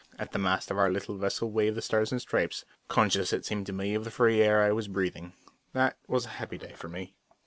At the mast of our little vessel waved the Stars and Stripes, conscious, it seemed to me, of the free air I was breathing. That was a happy day for me.